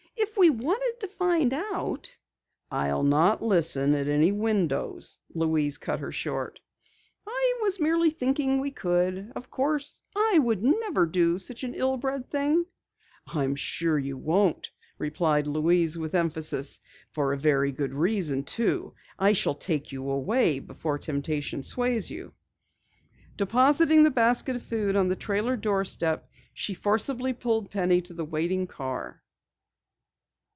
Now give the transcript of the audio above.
"If we wanted to find out " "I'll not listen at any window!" Louise cut her short. "I was merely thinking we could. Of course, I never would do such an ill bred thing." "I'm sure you won't," Louise replied with emphasis. "For a very good reason too! I shall take you away before temptation sways you." Depositing the basket of food on the trailer doorstep, she forcibly pulled Penny to the waiting car.